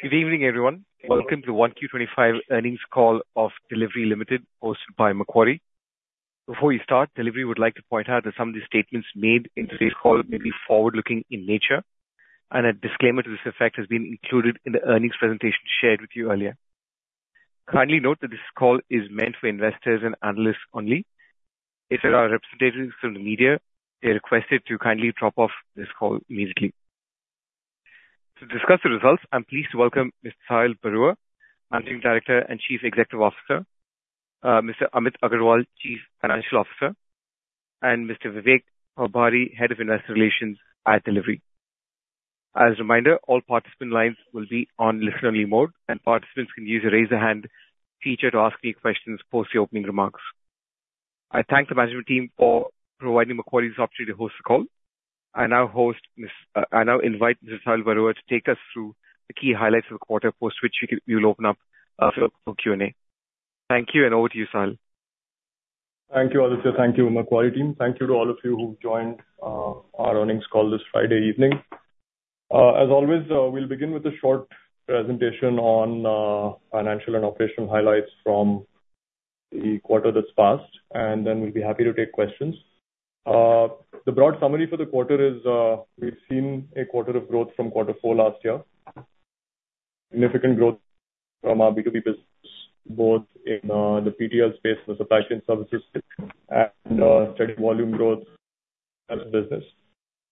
Good evening, everyone. Welcome to the Q1 2025 earnings call of Delhivery Limited, hosted by Macquarie. Before we start, Delhivery would like to point out that some of the statements made in today's call may be forward-looking in nature, and a disclaimer to this effect has been included in the earnings presentation shared with you earlier. Kindly note that this call is meant for investors and analysts only. If there are representatives from the media, they're requested to kindly drop off this call immediately. To discuss the results, I'm pleased to welcome Mr. Sahil Barua, Managing Director and Chief Executive Officer, Mr. Amit Agarwal, Chief Financial Officer, and Mr. Vivek Pabari, Head of Investor Relations at Delhivery. As a reminder, all participant lines will be on listen-only mode, and participants can use the Raise a Hand feature to ask any questions post the opening remarks. I thank the management team for providing Macquarie this opportunity to host the call. I now invite Mr. Sahil Barua to take us through the key highlights of the quarter, post which we will open up for Q&A. Thank you, and over to you, Sahil. Thank you, Alistair. Thank you, Macquarie team. Thank you to all of you who've joined our earnings call this Friday evening. As always, we'll begin with a short presentation on financial and operational highlights from the quarter that's passed, and then we'll be happy to take questions. The broad summary for the quarter is we've seen a quarter of growth from quarter four last year. Significant growth from our B2B business, both in the PTL space, the supply chain services, and steady volume growth as a business,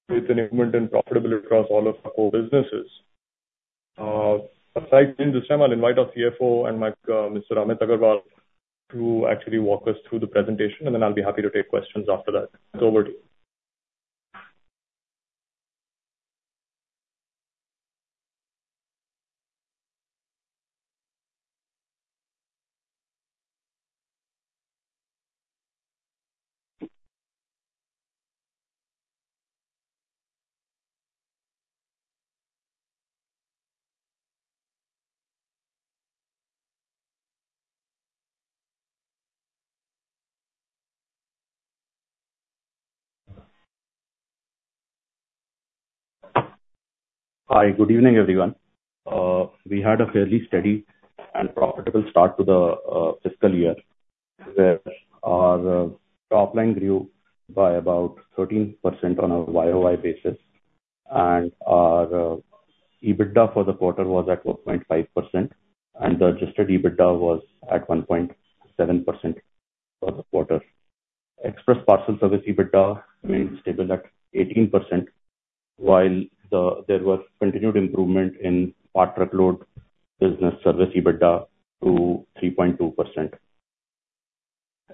with an improvement in profitability across all of our core businesses. Aside from this time, I'll invite our CFO, Mr. Amit Agarwal, to actually walk us through the presentation, and then I'll be happy to take questions after that. So over to you. Hi, good evening, everyone. We had a fairly steady and profitable start to the fiscal year, where our top line grew by about 13% on a YOY basis, and our EBITDA for the quarter was at 1.5%, and the adjusted EBITDA was at 1.7% for the quarter. Express Parcel Service EBITDA remained stable at 18%, while there was continued improvement in Part Truckload business service EBITDA to 3.2%.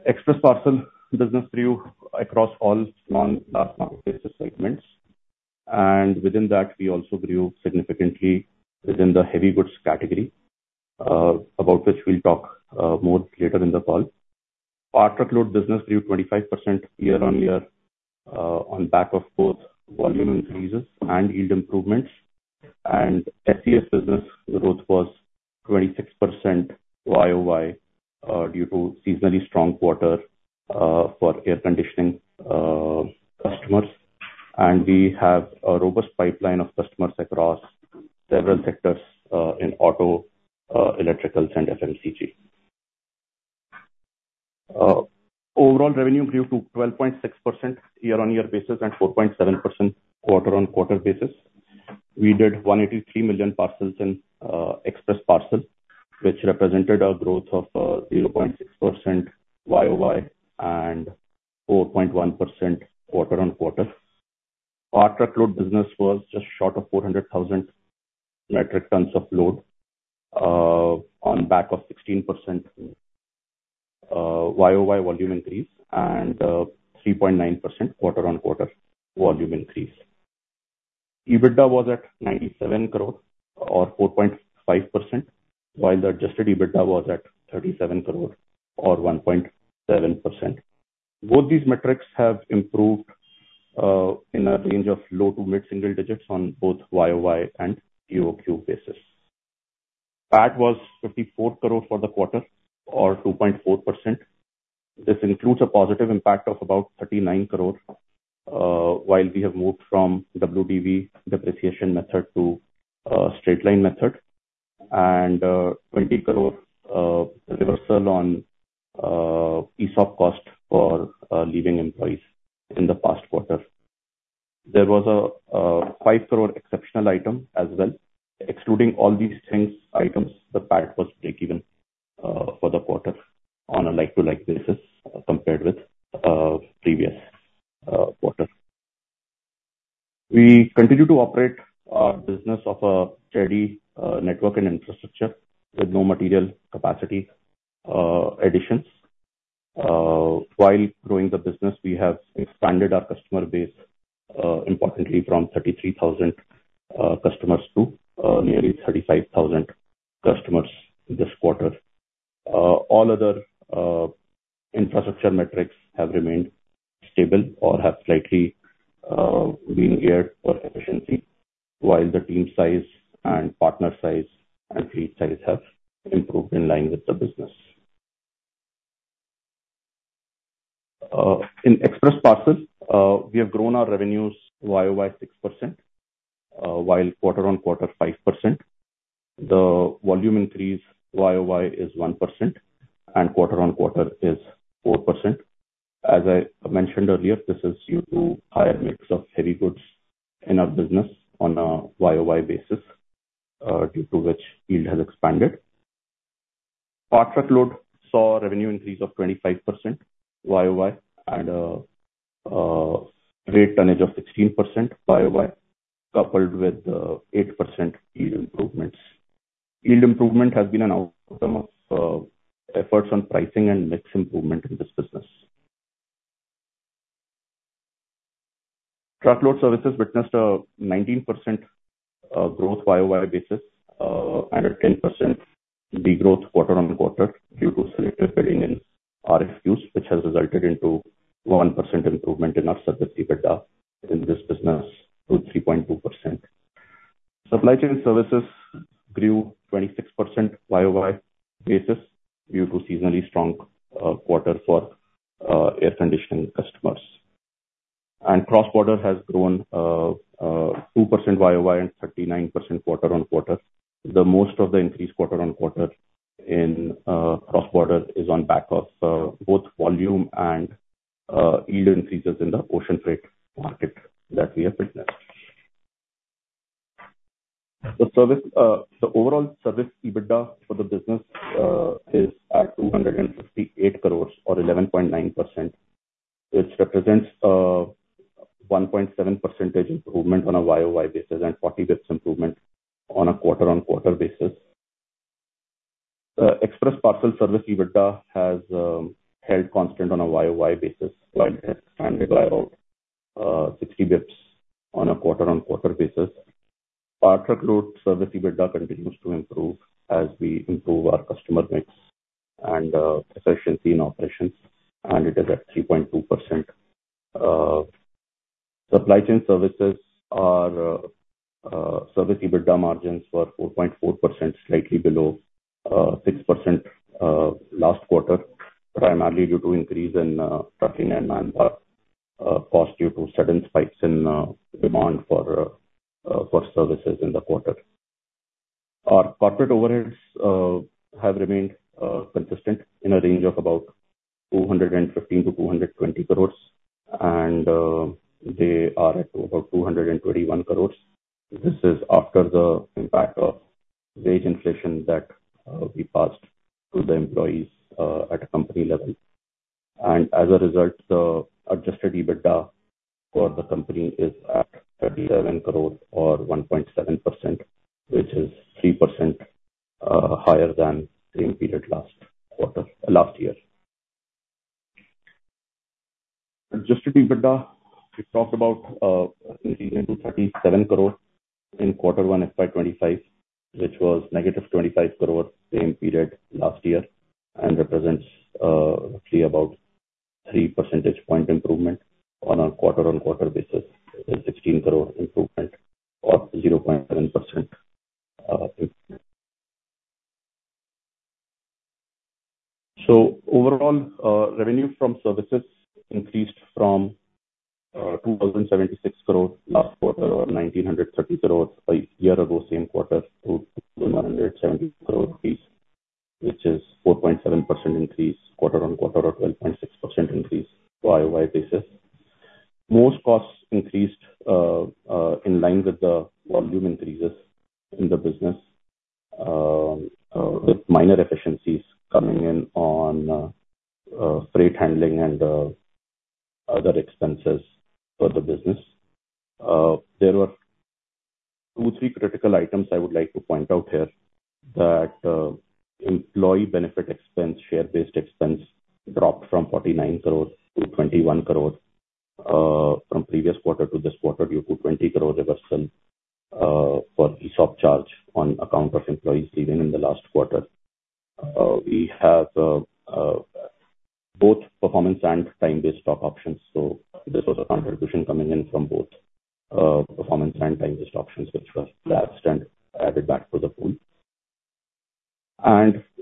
Express Parcel business grew across all non-last mile segments, and within that, we also grew significantly within the heavy goods category, about which we'll talk more later in the call. Part Truckload business grew 25% year-on-year, on back of both volume increases and yield improvements. SCS business growth was 26% YOY, due to seasonally strong quarter, for air conditioning customers. We have a robust pipeline of customers across several sectors, in auto, electrical and FMCG. Overall revenue grew to 12.6% year-on-year basis and 4.7% quarter-on-quarter basis. We did 183 million parcels in Express Parcel, which represented a growth of 0.6% YOY and 4.1% quarter-on-quarter. Our Truckload business was just short of 400,000 metric tons of load, on back of 16% YOY volume increase and 3.9% quarter-on-quarter volume increase. EBITDA was at 97 crore or 4.5%, while the adjusted EBITDA was at 37 crore or 1.7%. Both these metrics have improved in a range of low to mid-single digits on both YOY and QOQ basis. PAT was 54 crore for the quarter or 2.4%. This includes a positive impact of about 39 crore while we have moved from WDV depreciation method to a straight-line method, and 20 crore reversal on ESOP cost for leaving employees in the past quarter. There was a five crore exceptional item as well. Excluding all these things, items, the PAT was breakeven for the quarter on a like-to-like basis compared with previous quarter. We continue to operate our business off a steady network and infrastructure with no material capacity additions. While growing the business, we have expanded our customer base importantly from 33,000 customers to nearly 35,000 customers this quarter. All other infrastructure metrics have remained stable or have slightly been geared for efficiency, while the team size and partner size and fleet size have improved in line with the business. In Express Parcel, we have grown our revenues YOY 6%, while quarter-on-quarter 5%. The volume increase YOY is 1%, and quarter-on-quarter is 4%. As I mentioned earlier, this is due to higher mix of heavy goods in our business on a YOY basis, due to which yield has expanded. Our truckload saw revenue increase of 25% YOY and rate tonnage of 16% YOY, coupled with 8% yield improvements. Yield improvement has been an outcome of efforts on pricing and mix improvement in this business. Truckload services witnessed a 19% growth YOY basis, and a 10% degrowth quarter-on-quarter due to selective filling in RFQs, which has resulted into 1% improvement in our service EBITDA in this business to 3.2%. Supply Chain Services grew 26% YOY basis due to seasonally strong quarter for air conditioning customers. Cross-Border Services has grown 2% YOY and 39% quarter-on-quarter. The most of the increase quarter-on-quarter in Cross-Border Services is on back of both volume and yield increases in the ocean freight market that we have witnessed. The service, the overall Service EBITDA for the business, is at 258 crore or 11.9%, which represents 1.7 percentage improvement on a YOY basis, and 40 bits improvement on a quarter-on-quarter basis. Express Parcel Service EBITDA has held constant on a YOY basis, while it expanded by about 60 bits on a quarter-on-quarter basis. Our truckload Service EBITDA continues to improve as we improve our customer mix and efficiency in operations, and it is at 3.2%. Supply Chain Services service EBITDA margins were 4.4%, slightly below 6% last quarter, primarily due to increase in trucking and manpower cost due to sudden spikes in demand for services in the quarter. Our corporate overheads have remained consistent in a range of about 215 crore-220 crore, and they are at over 221 crore. This is after the impact of wage inflation that we passed to the employees at a company level. And as a result, the Adjusted EBITDA for the company is at 37 crore or 1.7%, which is 3% higher than the same period last year. Adjusted EBITDA, we talked about, increasing to 37 crore in quarter 1 FY 2025, which was -25 crore same period last year, and represents roughly about three percentage point improvement on a quarter-on-quarter basis, a 16 crore improvement or 0.7%. So overall, revenue from services increased from 2,076 crore last quarter, or 1,930 crore a year ago, same quarter, to 270 crore, which is 4.7% increase quarter on quarter or 12.6% increase YOY basis. Most costs increased in line with the volume increases in the business, with minor efficiencies coming in on freight handling and other expenses for the business. There were two, three critical items I would like to point out here that employee benefit expense, share-based expense dropped from 49 crore to 21 crore from previous quarter to this quarter, due to 20 crore reversal for the sub-charge on account of employees leaving in the last quarter. We have both performance and time-based stock options, so this was a contribution coming in from both performance and time-based options, which was lapsed and added back to the pool.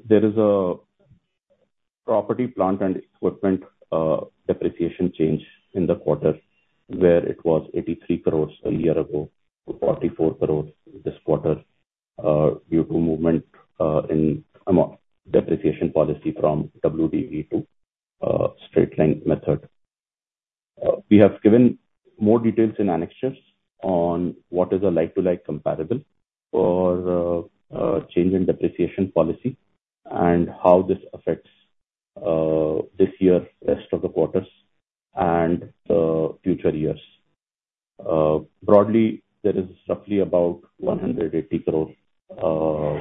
There is a property, plant, and equipment depreciation change in the quarter, where it was 83 crore a year ago, to 44 crore this quarter, due to movement in amount depreciation policy from WDV to straight-line method. We have given more details in annexures on what is a like-for-like comparable for change in depreciation policy and how this affects this year, rest of the quarters and future years. Broadly, there is roughly about 180 crore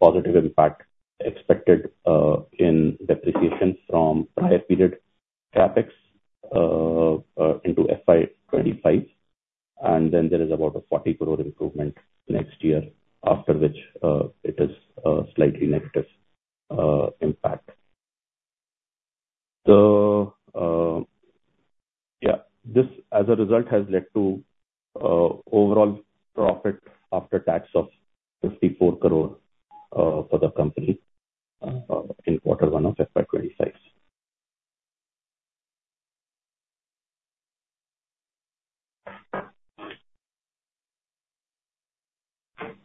positive impact expected in depreciation from prior period CapEx into FY 2025. There is about 40 crore improvement next year, after which, it is a slightly negative impact. The... Yeah, this, as a result, has led to overall profit after tax of 54 crore for the company in quarter one of FY 2026.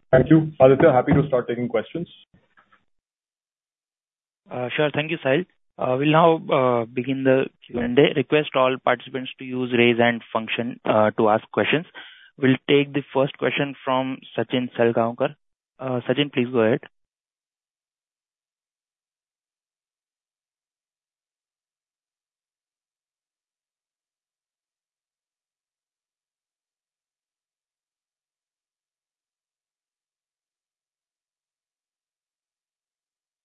Thank you. Alistar, happy to start taking questions. Sure. Thank you, Sahil. We'll now begin the Q&A. Request all participants to use raise hand function to ask questions. We'll take the first question from Sachin Salgaonkar. Sachin, please go ahead.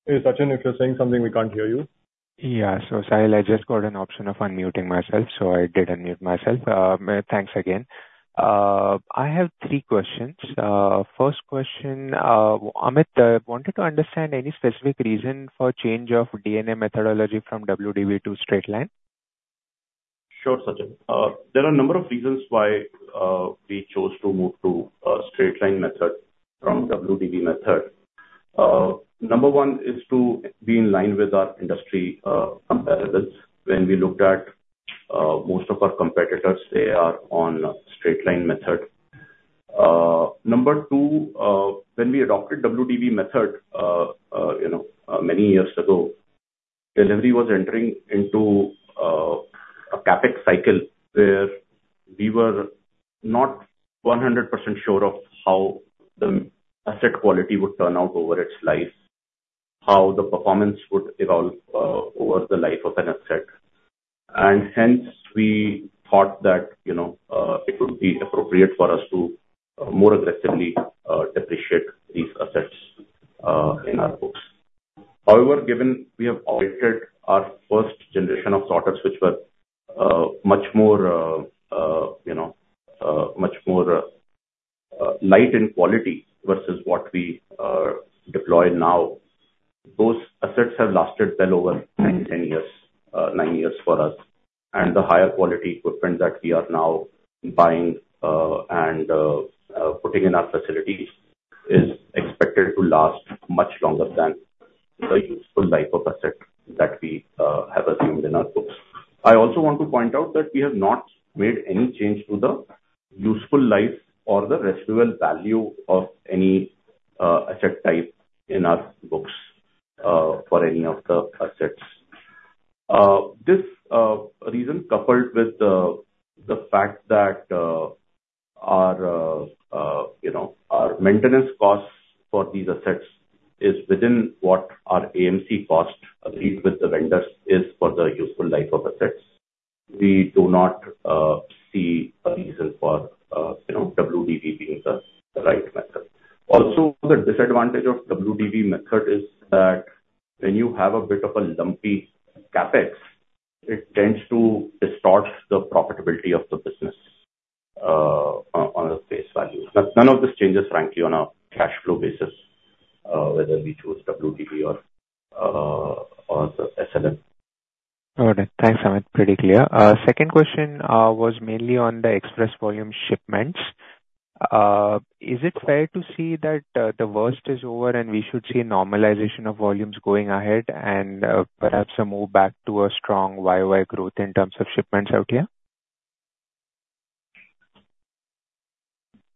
Hey, Sachin, if you're saying something, we can't hear you. Yeah. So Sahil, I just got an option of unmuting myself, so I did unmute myself. Thanks again. I have three questions. First question, Amit, wanted to understand any specific reason for change of depreciation methodology from WDV to straight-line? Sure, Sachin. There are a number of reasons why we chose to move to a straight-line method from WDV method. Number one is to be in line with our industry comparables. When we looked at most of our competitors, they are on a straight-line method. Number two, when we adopted WDV method, you know, many years ago, Delhivery was entering into a CapEx cycle, where we were not 100% sure of how the asset quality would turn out over its life, how the performance would evolve over the life of an asset. And hence, we thought that, you know, it would be appropriate for us to more aggressively depreciate these assets in our books. However, given we have outdated our first generation of sorters, which were much more, you know, much more light in quality versus what we deploy now. Those assets have lasted well over 10, 10 years, 9 years for us. And the higher quality equipment that we are now buying and putting in our facilities is expected to last much longer than the useful life of asset that we have assumed in our books. I also want to point out that we have not made any change to the useful life or the residual value of any asset type in our books for any of the assets. This reason, coupled with the fact that our you know, our maintenance costs for these assets is within what our AMC cost agreed with the vendors, is for the useful life of assets. We do not see a reason for you know, WDV being the right method. Also, the disadvantage of WDV method is that when you have a bit of a lumpy CapEx, it tends to distort the profitability of the business on a face value. But none of this changes, frankly, on a cash flow basis, whether we choose WDV or the SLM. Got it. Thanks, Amit. Pretty clear. Second question was mainly on the express volume shipments. Is it fair to say that the worst is over, and we should see normalization of volumes going ahead and perhaps a move back to a strong YY growth in terms of shipments out here?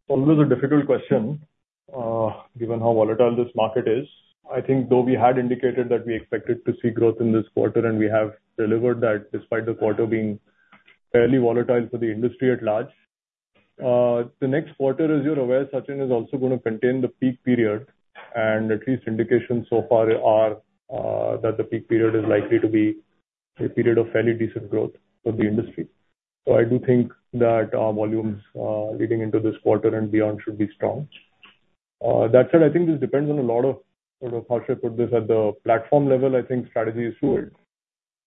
Always a difficult question, given how volatile this market is. I think though we had indicated that we expected to see growth in this quarter, and we have delivered that, despite the quarter being fairly volatile for the industry at large. The next quarter, as you're aware, Sachin, is also gonna contain the peak period, and at least indications so far are, that the peak period is likely to be a period of fairly decent growth for the industry. So I do think that our volumes, leading into this quarter and beyond should be strong. That said, I think this depends on a lot of, sort of, how should I put this? At the platform level, I think strategy is fluid,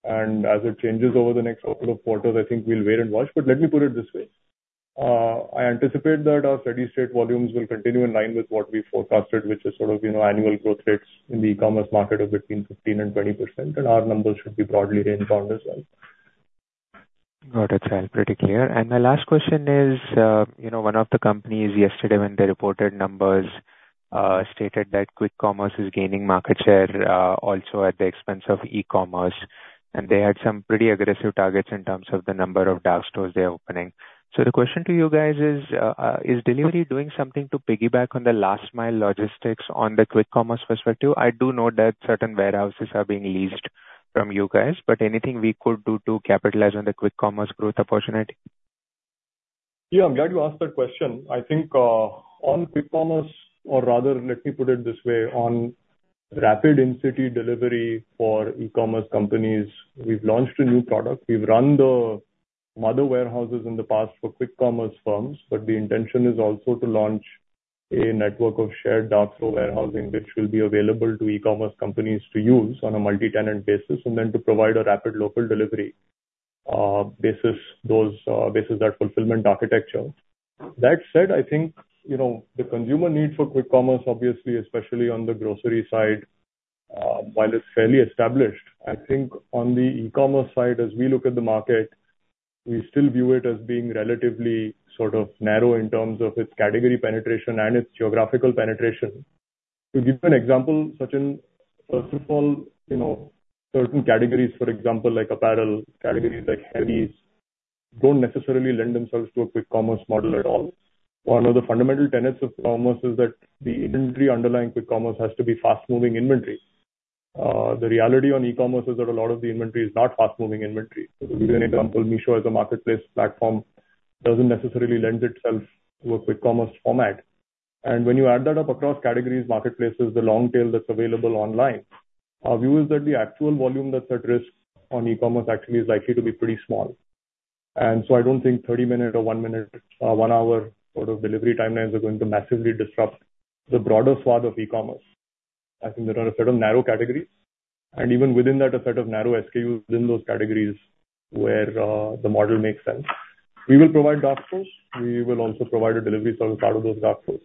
and as it changes over the next couple of quarters, I think we'll wait and watch. Let me put it this way, I anticipate that our steady-state volumes will continue in line with what we forecasted, which is sort of, you know, annual growth rates in the e-commerce market of between 15% and 20%, and our numbers should be broadly range-bound as well. Got it, Sahil. Pretty clear. And my last question is, you know, one of the companies yesterday, when they reported numbers, stated that quick commerce is gaining market share, also at the expense of e-commerce, and they had some pretty aggressive targets in terms of the number of dark stores they are opening. So the question to you guys is, is Delhivery doing something to piggyback on the last mile logistics on the quick commerce perspective? I do know that certain warehouses are being leased from you guys, but anything we could do to capitalize on the quick commerce growth opportunity? Yeah, I'm glad you asked that question. I think, on quick commerce, or rather, let me put it this way, on rapid in-city delivery for e-commerce companies, we've launched a new product. We've run the mother warehouses in the past for quick commerce firms, but the intention is also to launch a network of shared dark store warehousing, which will be available to e-commerce companies to use on a multi-tenant basis, and then to provide a rapid local delivery, basis those, basis that fulfillment architecture. That said, I think, you know, the consumer need for quick commerce, obviously, especially on the grocery side, while it's fairly established, I think on the e-commerce side, as we look at the market, we still view it as being relatively sort of narrow in terms of its category penetration and its geographical penetration. To give you an example, Sachin, first of all, you know, certain categories, for example, like apparel, categories like heavies, don't necessarily lend themselves to a quick commerce model at all. One of the fundamental tenets of commerce is that the inventory underlying quick commerce has to be fast-moving inventory. The reality on e-commerce is that a lot of the inventory is not fast-moving inventory. To give you an example, Meesho is a marketplace platform, doesn't necessarily lend itself to a quick commerce format. And when you add that up across categories, marketplaces, the long tail that's available online, our view is that the actual volume that's at risk on e-commerce actually is likely to be pretty small. And so I don't think 30-minute or 1-minute or 1-hour sort of delivery timelines are going to massively disrupt the broader swath of e-commerce. I think there are a set of narrow categories, and even within that, a set of narrow SKUs within those categories where the model makes sense. We will provide dark stores. We will also provide a delivery service out of those dark stores.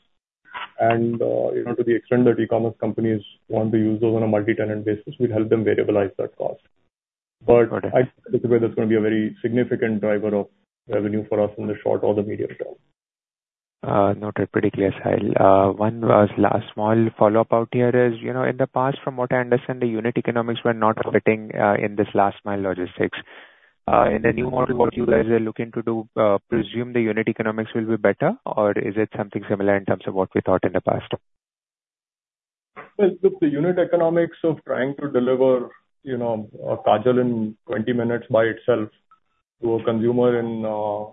And, you know, to the extent that e-commerce companies want to use those on a multi-tenant basis, we'll help them variabilize that cost. Got it. But I don't think that's going to be a very significant driver of revenue for us in the short or the medium term. Noted. Pretty clear, Sahil. One last small follow-up out here is, you know, in the past, from what I understand, the unit economics were not fitting in this last mile logistics. In the new model, what you guys are looking to do, presume the unit economics will be better, or is it something similar in terms of what we thought in the past? Well, look, the unit economics of trying to deliver, you know, a kajal in 20 minutes by itself to a consumer in,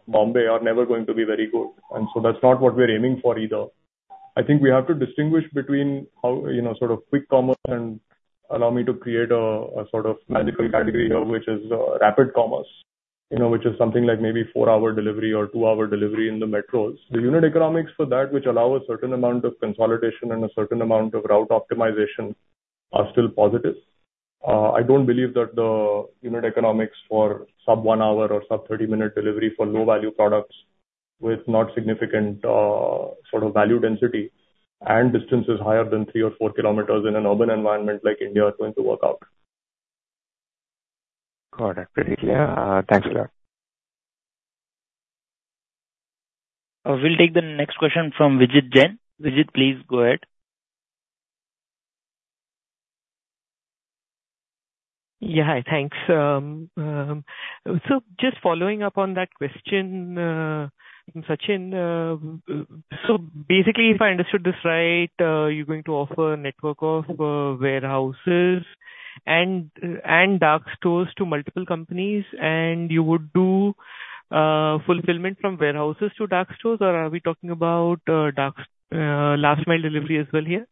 Bombay, are never going to be very good, and so that's not what we're aiming for either. I think we have to distinguish between how, you know, sort of quick commerce and allow me to create a, a sort of magical category here, which is, rapid commerce, you know, which is something like maybe 4-hour delivery or 2-hour delivery in the metros. The unit economics for that, which allow a certain amount of consolidation and a certain amount of route optimization, are still positive. I don't believe that the unit economics for sub-1 hour or sub-30-minute delivery for low-value products with not significant, sort of value density and distances higher than three or four kilometers in an urban environment like India, are going to work out. Got it. Pretty clear. Thanks a lot. We'll take the next question from Vijit Jain. Vijit, please go ahead. ƒYeah, hi. Thanks. So just following up on that question, Sachin, so basically, if I understood this right, you're going to offer a network of warehouses and dark stores to multiple companies, and you would do fulfillment from warehouses to dark stores, or are we talking about dark last mile delivery as well here?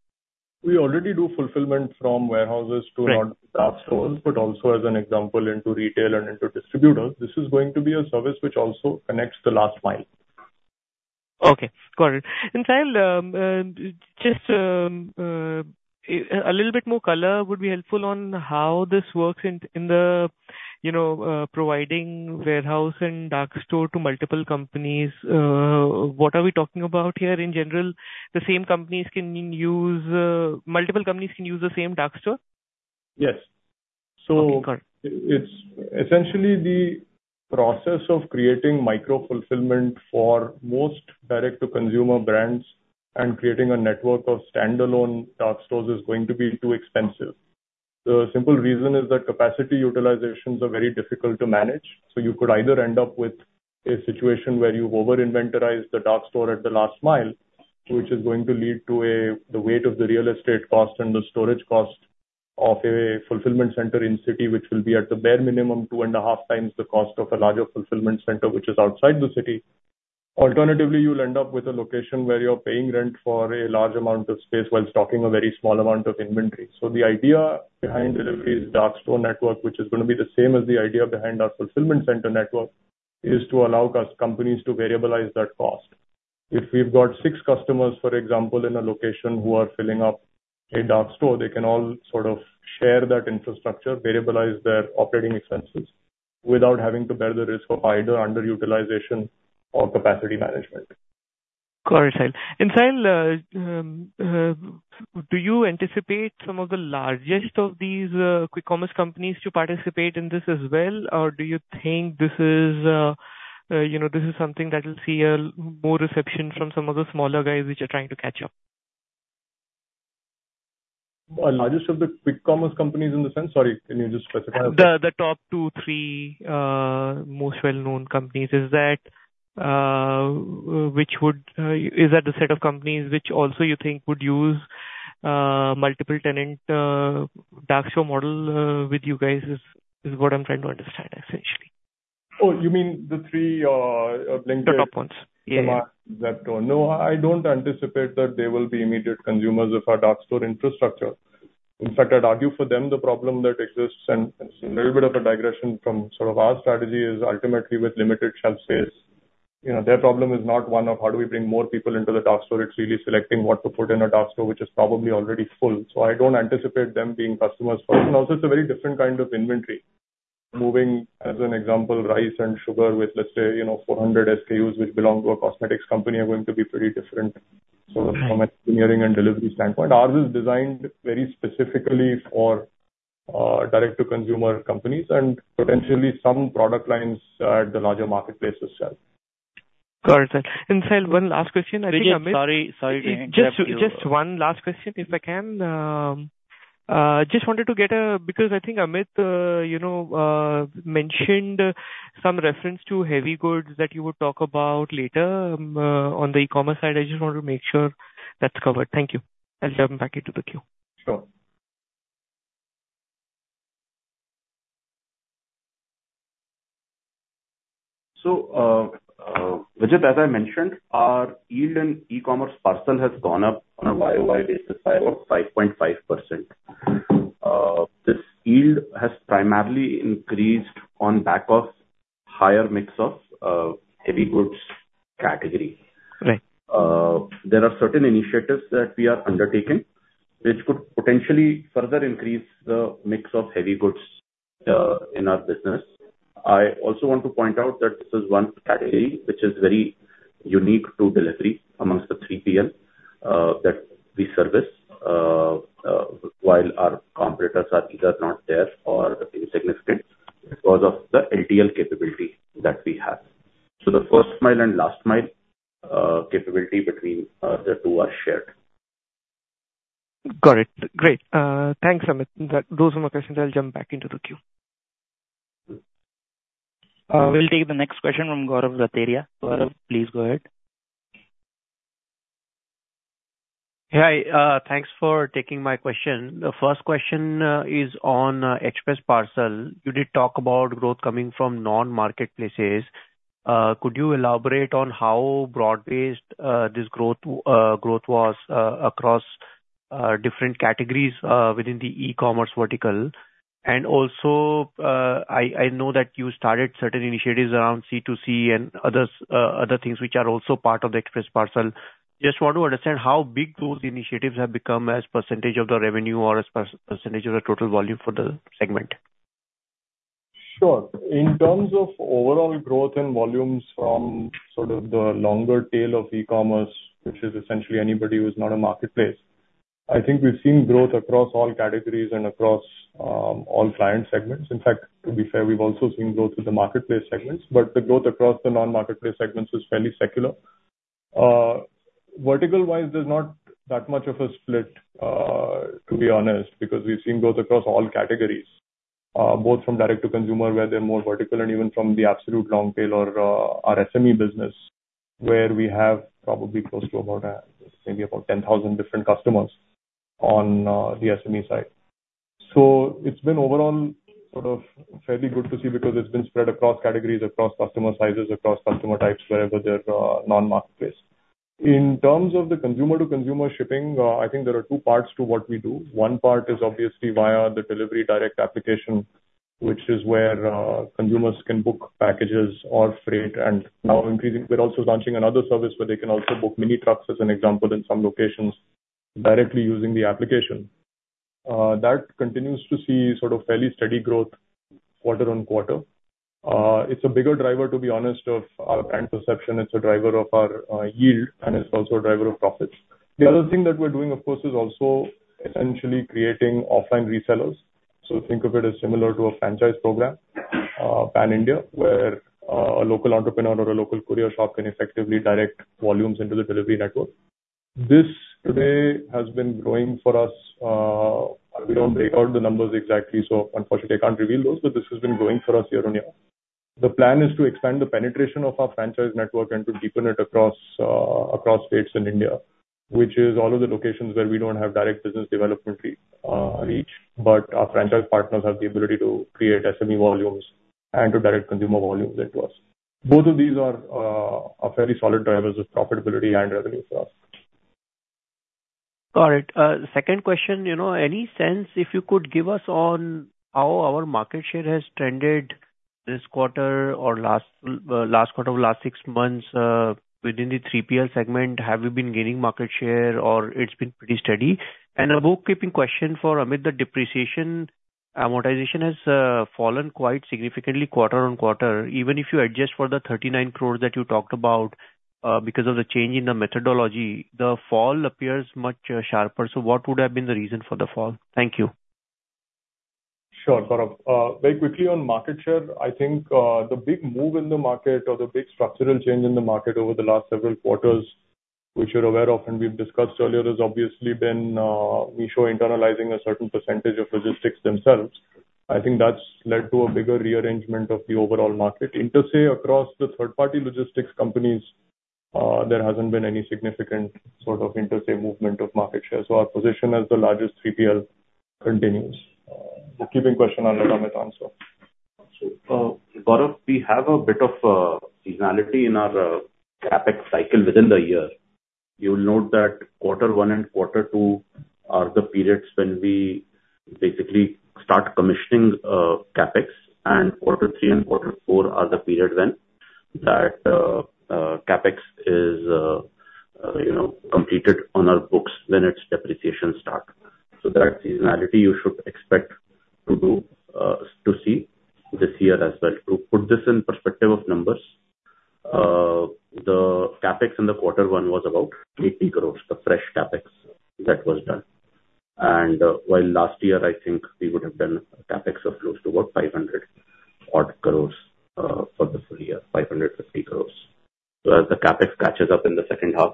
We already do fulfillment from warehouses to- Right. Not dark stores, but also, as an example, into retail and into distributors. This is going to be a service which also connects the last mile. Okay, got it. And, Sahil, just a little bit more color would be helpful on how this works in the, you know, providing warehouse and dark store to multiple companies. What are we talking about here in general? The same companies can use... Multiple companies can use the same dark store? Yes. Okay, got it. So it's essentially the process of creating micro fulfillment for most direct-to-consumer brands and creating a network of standalone dark stores is going to be too expensive. The simple reason is that capacity utilizations are very difficult to manage, so you could either end up with a situation where you've over-inventorized the dark store at the last mile, which is going to lead to the weight of the real estate cost and the storage cost of a fulfillment center in city, which will be at the bare minimum, 2.5 times the cost of a larger fulfillment center, which is outside the city. Alternatively, you'll end up with a location where you're paying rent for a large amount of space while stocking a very small amount of inventory. So the idea behind Delhivery's dark store network, which is going to be the same as the idea behind our fulfillment center network, is to allow companies to variabilize that cost. If we've got six customers, for example, in a location who are filling up a dark store, they can all sort of share that infrastructure, variabilize their operating expenses without having to bear the risk of either underutilization or capacity management. Got it, Sahil. And, Sahil, do you anticipate some of the largest of these quick commerce companies to participate in this as well? Or do you think this is, you know, this is something that will see a more reception from some of the smaller guys which are trying to catch up? largest of the quick commerce companies in the sense... Sorry, can you just specify? The top two, three most well-known companies, is that which would— Is that the set of companies which also you think would use multiple tenant dark store model with you guys? Is what I'm trying to understand essentially. Oh, you mean the three, linked- The top ones. Yeah. Zepto. No, I don't anticipate that they will be immediate consumers of our dark store infrastructure. In fact, I'd argue for them, the problem that exists, and it's a little bit of a digression from sort of our strategy, is ultimately with limited shelf space. You know, their problem is not one of how do we bring more people into the dark store, it's really selecting what to put in a dark store, which is probably already full. So I don't anticipate them being customers first. And also, it's a very different kind of inventory.... moving as an example, rice and sugar with, let's say, you know, 400 SKUs which belong to a cosmetics company, are going to be pretty different from an engineering and delivery standpoint. Ours is designed very specifically for, direct-to-consumer companies and potentially some product lines, at the larger marketplace as well. Got it. And Sal, one last question, I think, Amit- Vijit, sorry, sorry to interrupt you. Just, just one last question, if I can. Just wanted to get a—because I think Amit, you know, mentioned some reference to heavy goods that you would talk about later, on the e-commerce side. I just want to make sure that's covered. Thank you. I'll turn back into the queue. Sure. So, Vijit, as I mentioned, our yield in e-commerce parcel has gone up on a YOY basis by about 5.5%. This yield has primarily increased on back of higher mix of heavy goods category. Right. There are certain initiatives that we are undertaking, which could potentially further increase the mix of heavy goods in our business. I also want to point out that this is one category which is very unique to Delhivery amongst the 3PL that we service while our competitors are either not there or insignificant because of the LTL capability that we have. So the first mile and last mile capability between the two are shared. Got it. Great. Thanks, Amit. Those are my questions. I'll jump back into the queue. We'll take the next question from Gaurav Rateria. Gaurav, please go ahead. Hi, thanks for taking my question. The first question is on Express Parcel. You did talk about growth coming from non-marketplaces. Could you elaborate on how broad-based this growth was across different categories within the e-commerce vertical? And also, I know that you started certain initiatives around C2C and others, other things which are also part of the Express Parcel. Just want to understand how big those initiatives have become as percentage of the revenue or as percentage of the total volume for the segment. Sure. In terms of overall growth and volumes from sort of the longer tail of e-commerce, which is essentially anybody who is not a marketplace, I think we've seen growth across all categories and across all client segments. In fact, to be fair, we've also seen growth with the marketplace segments, but the growth across the non-marketplace segments is fairly secular. Vertical-wise, there's not that much of a split, to be honest, because we've seen growth across all categories, both from direct to consumer, where they're more vertical, and even from the absolute long tail or our SME business, where we have probably close to about, maybe about 10,000 different customers on the SME side. So it's been overall sort of fairly good to see because it's been spread across categories, across customer sizes, across customer types, wherever they're non-marketplace. In terms of the consumer-to-consumer shipping, I think there are two parts to what we do. One part is obviously via the Delhivery Direct application, which is where consumers can book packages or freight, and now increasing... We're also launching another service where they can also book mini trucks, as an example, in some locations, directly using the application. That continues to see sort of fairly steady growth quarter on quarter. It's a bigger driver, to be honest, of our brand perception. It's a driver of our yield, and it's also a driver of profits. The other thing that we're doing, of course, is also essentially creating offline resellers. So think of it as similar to a franchise program, pan-India, where a local entrepreneur or a local courier shop can effectively direct volumes into the Delhivery network. This today has been growing for us. We don't break out the numbers exactly, so unfortunately, I can't reveal those, but this has been growing for us year-over-year. The plan is to expand the penetration of our franchise network and to deepen it across states in India, which is all of the locations where we don't have direct business development reach, but our franchise partners have the ability to create SME volumes and to direct consumer volumes into us. Both of these are fairly solid drivers of profitability and revenue for us. Got it. Second question, you know, any sense, if you could give us on how our market share has trended this quarter or last, last quarter or last six months, within the 3PL segment? Have you been gaining market share or it's been pretty steady? And a bookkeeping question for Amit, the depreciation, amortization has, fallen quite significantly quarter-on-quarter. Even if you adjust for the 39 crore that you talked about, because of the change in the methodology, the fall appears much, sharper. So what would have been the reason for the fall? Thank you. Sure, Gaurav. Very quickly on market share, I think, the big move in the market or the big structural change in the market over the last several quarters, which you're aware of and we've discussed earlier, has obviously been e-coms internalizing a certain percentage of logistics themselves. I think that's led to a bigger rearrangement of the overall market. Inter se across the third-party logistics companies, there hasn't been any significant sort of inter se movement of market share. So our position as the largest 3PL continues. Bookkeeping question, Amit, answer. Gaurav, we have a bit of seasonality in our CapEx cycle within the year. You'll note that quarter one and quarter two are the periods when we basically start commissioning CapEx, and quarter three and quarter four are the period when that, CapEx is, you know, completed on our books when its depreciation start. So that seasonality you should expect to do, to see this year as well. To put this in perspective of numbers, the CapEx in the quarter one was about 80 crores, the fresh CapEx that was done. And, while last year, I think we would have done CapEx of close to about 500 odd crores, for the full year, 550 crores. So as the CapEx catches up in the second half,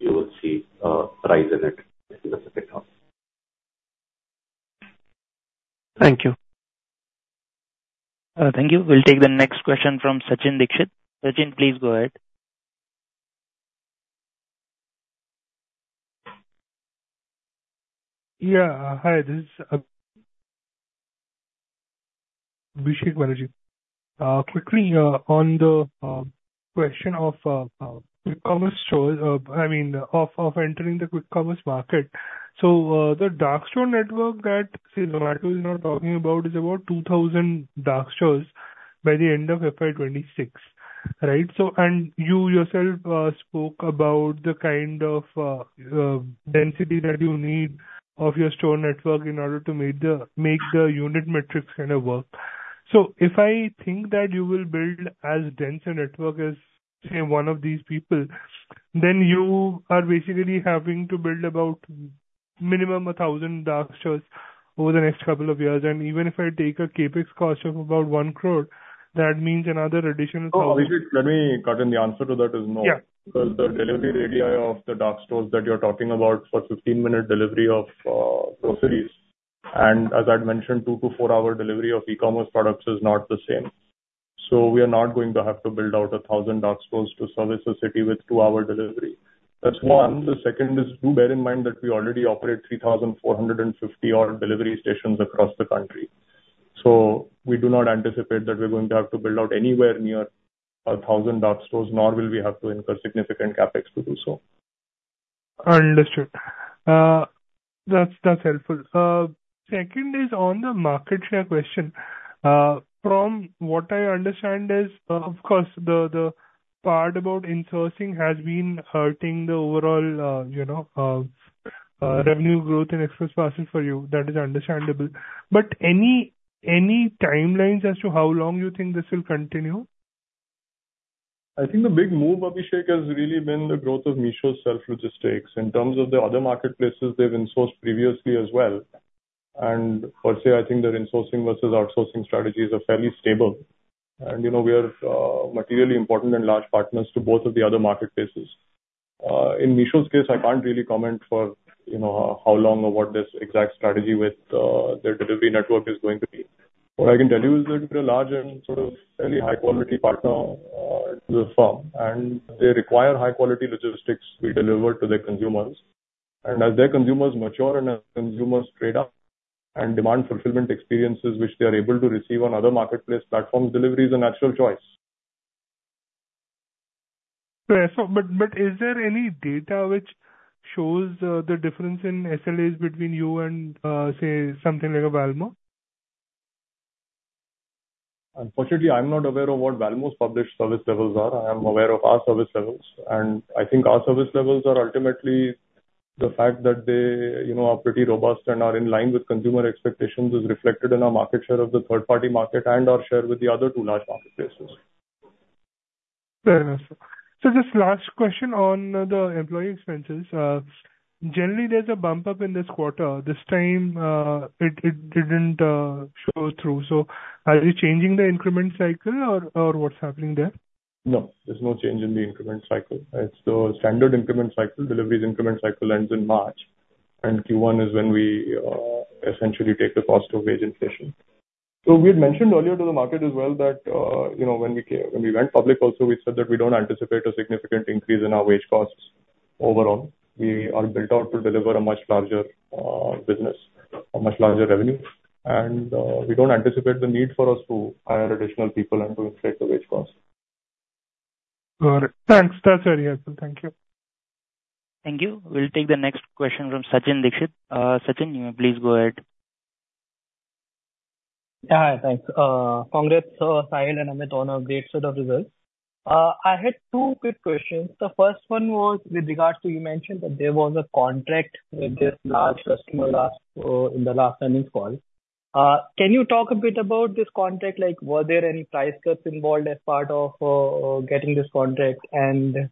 you will see a rise in it in the second half. Thank you. Thank you. We'll take the next question from Sachin Dixit. Sachin, please go ahead. Yeah. Hi, this is Sachin Dixit. Quickly, on the question of quick commerce stores, I mean, of entering the quick commerce market. So, the dark store network that, say, Tirunagari is now talking about, is about 2,000 dark stores by the end of FY 2026, right? So, and you yourself spoke about the kind of density that you need of your store network in order to make the unit metrics kind of work. So if I think that you will build as dense a network as, say, one of these people, then you are basically having to build about minimum 1,000 dark stores over the next couple of years. And even if I take a CapEx cost of about 1 crore, that means another additional- Oh, Sachin, let me cut in. The answer to that is no. Yeah. Because the delivery radii of the dark stores that you're talking about for 15-minute delivery of groceries, and as I'd mentioned, 2- to 4-hour delivery of e-commerce products is not the same. So we are not going to have to build out 1,000 dark stores to service a city with 2-hour delivery. That's one. The second is, do bear in mind that we already operate 3,450-odd delivery stations across the country. So we do not anticipate that we're going to have to build out anywhere near 1,000 dark stores, nor will we have to incur significant CapEx to do so. Understood. That's helpful. Second is on the market share question. From what I understand is, of course, the part about insourcing has been hurting the overall, you know, revenue growth in Express Parcel for you. That is understandable. But any timelines as to how long you think this will continue? I think the big move, Abhishek, has really been the growth of Meesho's self-logistics. In terms of the other marketplaces, they've insourced previously as well. And per se, I think their insourcing versus outsourcing strategies are fairly stable. And you know, we are, materially important and large partners to both of the other marketplaces. In Meesho's case, I can't really comment for, you know, how, how long or what this exact strategy with, their delivery network is going to be. What I can tell you is that we're a large and sort of fairly high quality partner, to the firm, and they require high quality logistics we deliver to their consumers. And as their consumers mature and as consumers trade up and demand fulfillment experiences which they are able to receive on other marketplace platforms, delivery is a natural choice. Right. So, but is there any data which shows the difference in SLAs between you and, say, something like a Walmart? Unfortunately, I'm not aware of what Walmart's published service levels are. I am aware of our service levels, and I think our service levels are ultimately the fact that they, you know, are pretty robust and are in line with consumer expectations, is reflected in our market share of the third party market and our share with the other two large marketplaces. Fair enough, sir. So just last question on the employee expenses. Generally, there's a bump up in this quarter. This time, it didn't show through, so are you changing the increment cycle or, or what's happening there? No, there's no change in the increment cycle. It's the standard increment cycle. Delhivery's increment cycle ends in March, and Q1 is when we essentially take the cost of wage inflation. So we had mentioned earlier to the market as well that, you know, when we went public also, we said that we don't anticipate a significant increase in our wage costs overall. We are built out to deliver a much larger business, a much larger revenue, and we don't anticipate the need for us to hire additional people and to inflate the wage costs. Got it. Thanks. That's very helpful. Thank you. Thank you. We'll take the next question from Sachin Dixit. Sachin, please go ahead. Yeah. Hi, thanks. Congrats, Sahil and Amit, on a great set of results. I had two quick questions. The first one was with regards to you mentioned that there was a contract with this large customer last, in the last earnings call. Can you talk a bit about this contract? Like, were there any price cuts involved as part of getting this contract? And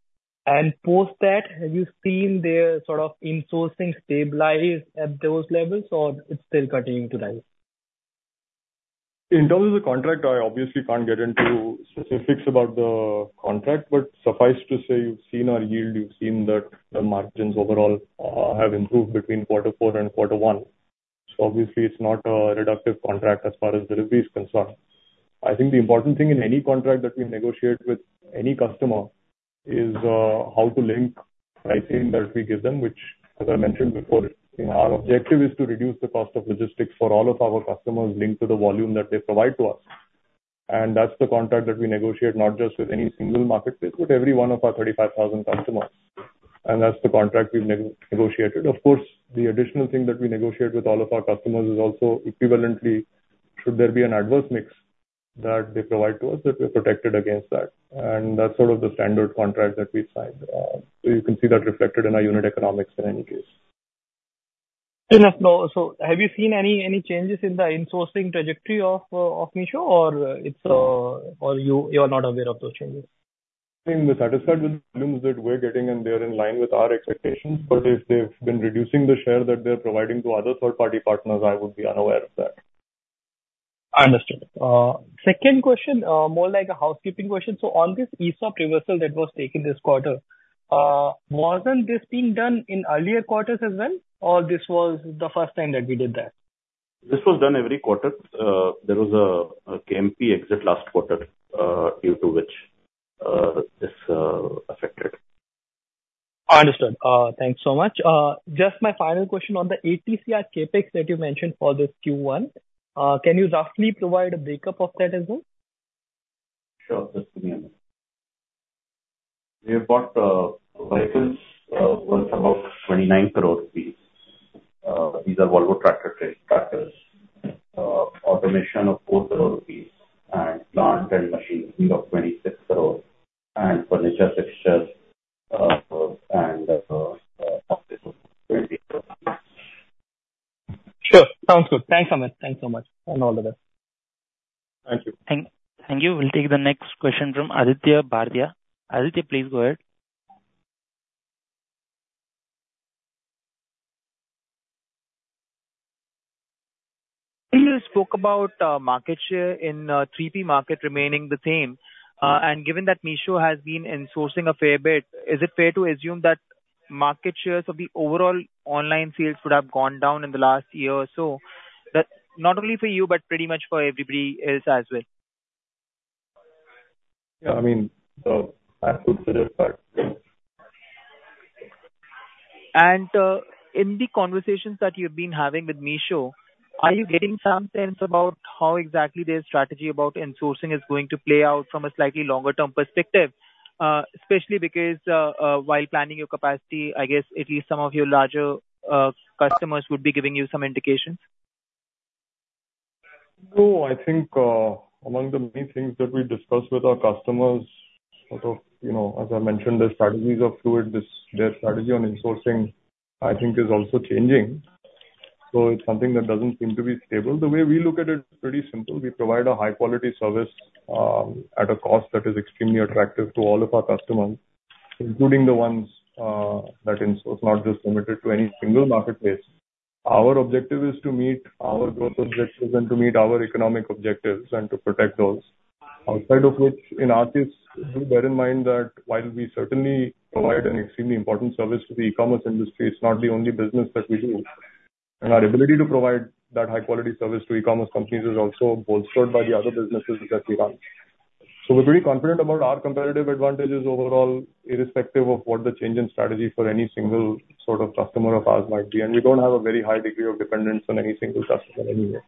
post that, have you seen their sort of insourcing stabilize at those levels, or it's still continuing to rise? In terms of the contract, I obviously can't get into specifics about the contract, but suffice to say, you've seen our yield, you've seen that the margins overall have improved between quarter four and quarter one. So obviously it's not a reductive contract as far as Delhivery is concerned. I think the important thing in any contract that we negotiate with any customer is how to link pricing that we give them, which, as I mentioned before, you know, our objective is to reduce the cost of logistics for all of our customers linked to the volume that they provide to us. And that's the contract that we negotiate, not just with any single marketplace, with every one of our 35,000 customers, and that's the contract we've negotiated. Of course, the additional thing that we negotiate with all of our customers is also equivalently, should there be an adverse mix that they provide to us, that we're protected against that, and that's sort of the standard contract that we sign. So you can see that reflected in our unit economics in any case. So now, so have you seen any, any changes in the insourcing trajectory of, of Meesho or it's, or you, you are not aware of those changes? I think we're satisfied with the volumes that we're getting, and they're in line with our expectations. But if they've been reducing the share that they're providing to other third-party partners, I would be unaware of that. I understand. Second question, more like a housekeeping question: so on this ESOP reversal that was taken this quarter, wasn't this being done in earlier quarters as well, or this was the first time that we did that? This was done every quarter. There was a KMP exit last quarter, due to which, this affected. Understood. Thanks so much. Just my final question on the ATCR CapEx that you mentioned for this Q1, can you roughly provide a breakup of that as well? Sure, just give me a minute. We have got vehicles worth about 29 crore rupees. These are Volvo tractor trailers, tractors, automation of 4 crore rupees and plant and machinery of 26 crore, and furniture, fixtures, and, Sure. Sounds good. Thanks so much. Thanks so much, and all the best. Thank you. Thank you. We'll take the next question from Aditya Bhartia. Aditya, please go ahead. You spoke about market share in 3P market remaining the same, and given that Meesho has been insourcing a fair bit, is it fair to assume that market shares of the overall online sales would have gone down in the last year or so? That not only for you, but pretty much for everybody else as well. Yeah, I mean, I could say that, but... In the conversations that you've been having with Meesho, are you getting some sense about how exactly their strategy about insourcing is going to play out from a slightly longer term perspective? Especially because, while planning your capacity, I guess at least some of your larger customers would be giving you some indications. No, I think, among the main things that we discuss with our customers, sort of, you know, as I mentioned, their strategies are fluid. This, their strategy on insourcing, I think, is also changing, so it's something that doesn't seem to be stable. The way we look at it, pretty simple, we provide a high quality service, at a cost that is extremely attractive to all of our customers, including the ones, that in source, not just limited to any single marketplace. Our objective is to meet our growth objectives and to meet our economic objectives and to protect those. Outside of which, in our case, do bear in mind that while we certainly provide an extremely important service to the e-commerce industry, it's not the only business that we do. Our ability to provide that high quality service to e-commerce companies is also bolstered by the other businesses that we have. We're pretty confident about our competitive advantages overall, irrespective of what the change in strategy for any single sort of customer of ours might be, and we don't have a very high degree of dependence on any single customer anyway.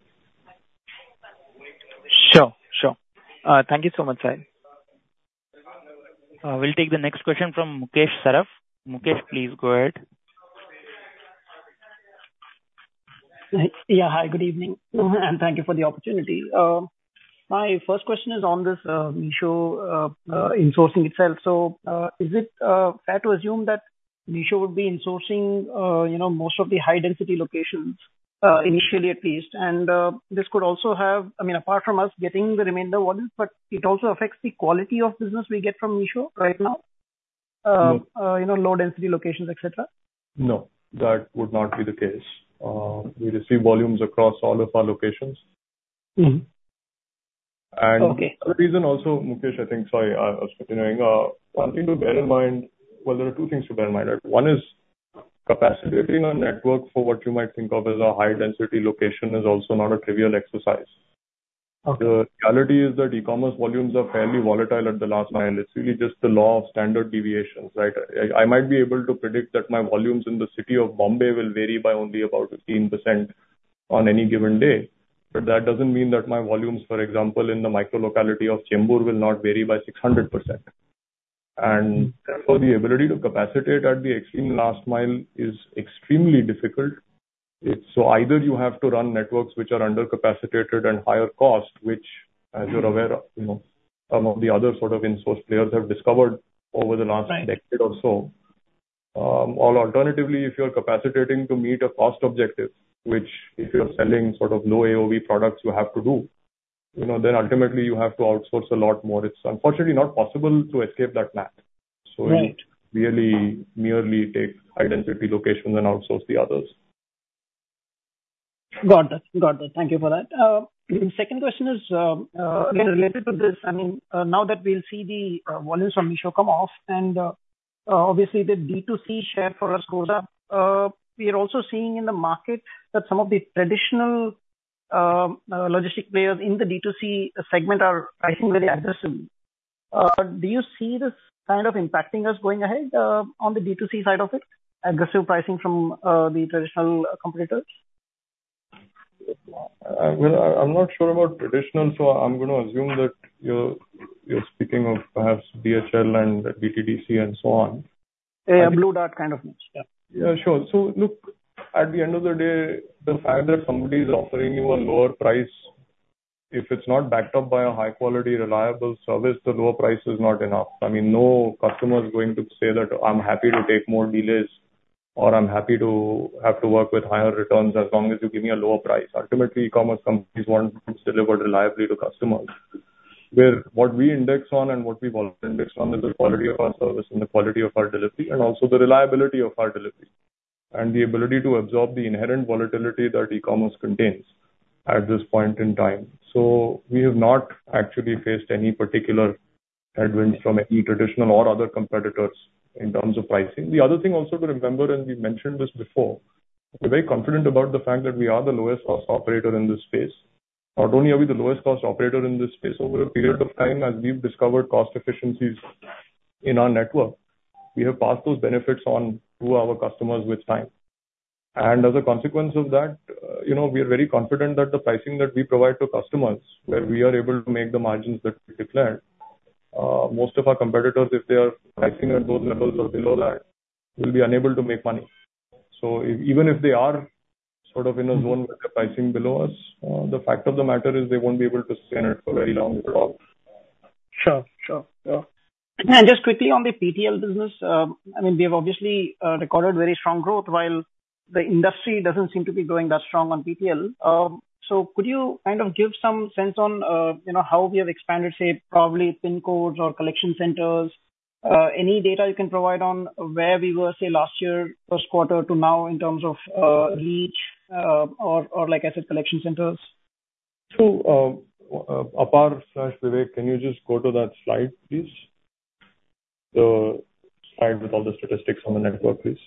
Sure. Sure. Thank you so much, Sahil. We'll take the next question from Mukesh Saraf. Mukesh, please go ahead. Yeah, hi, good evening, and thank you for the opportunity. My first question is on this Meesho insourcing itself. So, is it fair to assume that Meesho would be insourcing, you know, most of the high-density locations initially at least? And this could also have, I mean, apart from us getting the remainder volumes, but it also affects the quality of business we get from Meesho right now. No. You know, low-density locations, et cetera. No, that would not be the case. We receive volumes across all of our locations. Mm-hmm. And- Okay. The reason also, Mukesh, I think, sorry, I was continuing. One thing to bear in mind... Well, there are two things to bear in mind. One is capacitating our network for what you might think of as a high-density location is also not a trivial exercise. Okay. The reality is that e-commerce volumes are fairly volatile at the last mile. It's really just the law of standard deviations, right? I, I might be able to predict that my volumes in the city of Bombay will vary by only about 15% on any given day, but that doesn't mean that my volumes, for example, in the micro locality of Chembur will not vary by 600%. Therefore, the ability to capacitate at the extreme last mile is extremely difficult. It's, so either you have to run networks which are under-capacitated and higher cost, which, as you're aware of, you know, some of the other sort of in-source players have discovered over the last- Right... decade or so. Or alternatively, if you're capacitating to meet a cost objective, which, if you're selling sort of low AOV products, you have to do, you know, then ultimately you have to outsource a lot more. It's unfortunately not possible to escape that math. Right. You really merely take high-density locations and outsource the others. Got that. Got that. Thank you for that. Second question is, again, related to this. I mean, now that we'll see the volumes from Meesho come off and, obviously the D2C share for us goes up, we are also seeing in the market that some of the traditional logistics players in the D2C segment are pricing very aggressively. Do you see this kind of impacting us going ahead, on the D2C side of it, aggressive pricing from the traditional competitors? ... Well, I'm not sure about traditional, so I'm gonna assume that you're speaking of perhaps DHL and DTDC, and so on. Yeah, Blue Dart kind of niche. Yeah. Yeah, sure. So look, at the end of the day, the fact that somebody is offering you a lower price, if it's not backed up by a high quality, reliable service, the lower price is not enough. I mean, no customer is going to say that I'm happy to take more delays or I'm happy to have to work with higher returns as long as you give me a lower price. Ultimately, e-commerce companies want goods delivered reliably to customers. Where what we index on and what we want to index on is the quality of our service and the quality of our delivery, and also the reliability of our delivery, and the ability to absorb the inherent volatility that e-commerce contains at this point in time. So we have not actually faced any particular headwinds from any traditional or other competitors in terms of pricing. The other thing also to remember, and we've mentioned this before, we're very confident about the fact that we are the lowest cost operator in this space. Not only are we the lowest cost operator in this space, over a period of time, as we've discovered cost efficiencies in our network, we have passed those benefits on to our customers with time. And as a consequence of that, you know, we are very confident that the pricing that we provide to customers, where we are able to make the margins that we declared, most of our competitors, if they are pricing at those levels or below that, will be unable to make money. So even if they are sort of in a zone where they're pricing below us, the fact of the matter is they won't be able to stay in it for very long at all. Sure. Sure. Yeah. Just quickly on the PTL business, I mean, we have obviously recorded very strong growth while the industry doesn't seem to be growing that strong on PTL. So could you kind of give some sense on, you know, how we have expanded, say, probably pin codes or collection centers? Any data you can provide on where we were, say, last year, first quarter to now in terms of, reach, or, or like I said, collection centers. Apar/Vivek, can you just go to that slide, please? The slide with all the statistics on the network, please.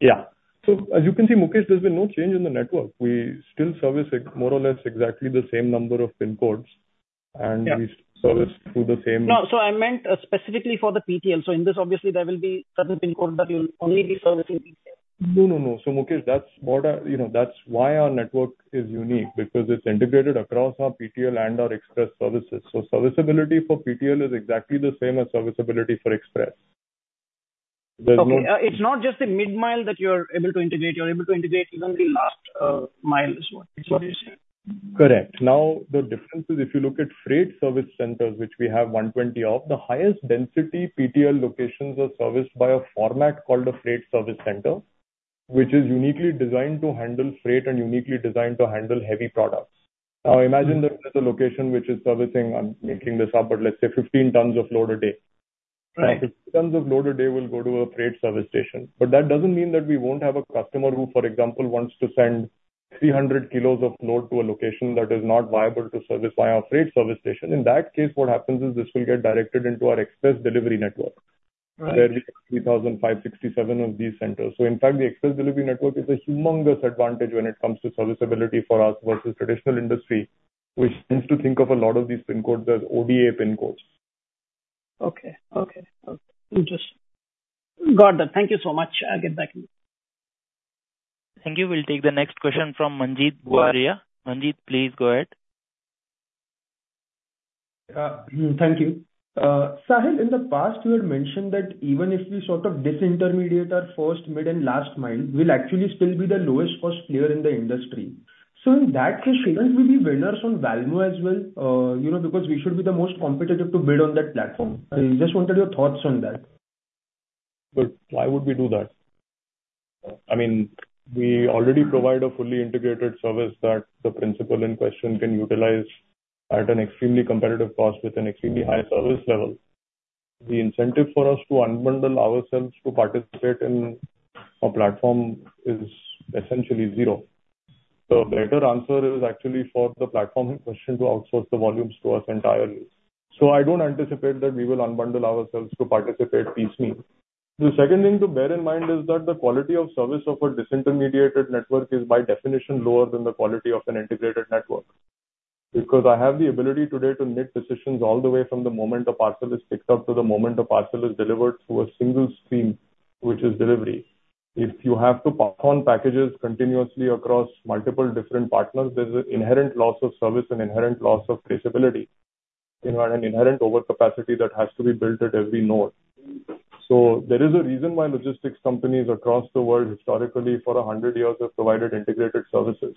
Yeah. So as you can see, Mukesh, there's been no change in the network. We still service more or less exactly the same number of pin codes- Yeah. and we service through the same No, so I meant specifically for the PTL. So in this, obviously, there will be certain pin codes that you'll only be servicing PTL. No, no, no. So, Mukesh, that's what I... You know, that's why our network is unique, because it's integrated across our PTL and our express services. So serviceability for PTL is exactly the same as serviceability for express. There's no- Okay, it's not just the mid-mile that you're able to integrate, you're able to integrate even the last mile as well, is what you said? Correct. Now, the difference is, if you look at Freight Service Centers, which we have 120 of, the highest density PTL locations are serviced by a format called a Freight Service Center, which is uniquely designed to handle freight and uniquely designed to handle heavy products. Now, imagine that there's a location which is servicing, I'm making this up, but let's say 15 tons of load a day. Right. 15 tons of load a day will go to a freight service station. But that doesn't mean that we won't have a customer who, for example, wants to send 300 kilos of load to a location that is not viable to service by our freight service station. In that case, what happens is this will get directed into our express delivery network. Right. Where we have 3,567 of these centers. So in fact, the express delivery network is a humongous advantage when it comes to serviceability for us versus traditional industry, which tends to think of a lot of these pin codes as ODA pin codes. Okay. Okay. Okay. Interesting. Got that. Thank you so much. I'll get back to you. Thank you. We'll take the next question from Manjeet Buaria. Manjeet, please go ahead. Thank you. Sahil, in the past, you had mentioned that even if we sort of disintermediate our first, mid, and last mile, we'll actually still be the lowest cost player in the industry. So in that case, shouldn't we be winners on Valmo as well? You know, because we should be the most competitive to bid on that platform. I just wanted your thoughts on that. But why would we do that? I mean, we already provide a fully integrated service that the principal in question can utilize at an extremely competitive cost with an extremely high service level. The incentive for us to unbundle ourselves to participate in a platform is essentially zero. The better answer is actually for the platform in question to outsource the volumes to us entirely. So I don't anticipate that we will unbundle ourselves to participate piecemeal. The second thing to bear in mind is that the quality of service of a disintermediated network is, by definition, lower than the quality of an integrated network. Because I have the ability today to make decisions all the way from the moment a parcel is picked up, to the moment a parcel is delivered through a single stream, which is delivery. If you have to pass on packages continuously across multiple different partners, there's an inherent loss of service and inherent loss of traceability, you know, and an inherent overcapacity that has to be built at every node. So there is a reason why logistics companies across the world, historically, for 100 years, have provided integrated services.